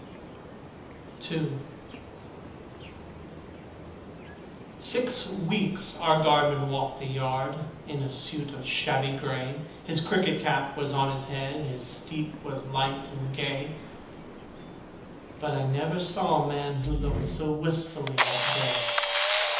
II Six weeks the guardsman walked the yard, In the suit of shabby gray: His cricket cap was on his head, And his step was light and gay, But I never saw a man who looked So wistfully at the day.